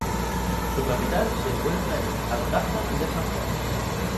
Su capital se encuentra en Alcázar de San Juan.